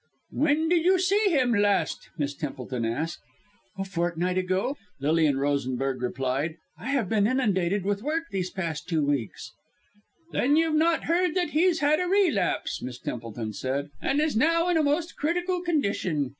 "When did you see him last?" Miss Templeton asked. "A fortnight ago," Lilian Rosenberg replied. "I have been inundated with work the past two weeks." "Then you've not heard that he's had a relapse," Miss Templeton said, "and is now in a most critical condition!